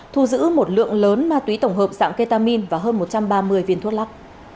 thu giữ một lượng lớn ma túy tổng hợp dạng ketamin và hơn một trăm ba mươi viên thuốc lắc